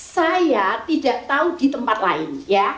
saya tidak tahu di tempat lain